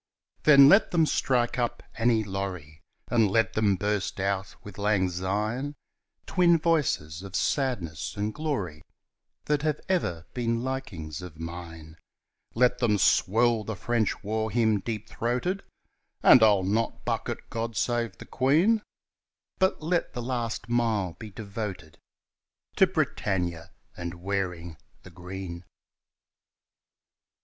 118 THE JOLLY DEAD MARCH Then let them strike up "Annie Laurie," And let 'em burst out with "Lang Syne," Twin voices of sadness and glory That have ever been likings of mine. Let them swell the French war hymn deep throated (And I'll not buck at "God Save the Queen") But let the last mile be devoted To "Britannia" and "Wearing the Green."